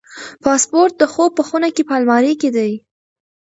پاسپورت د خوب په خونه کې په المارۍ کې دی.